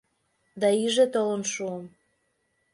Да, иже толын шуым.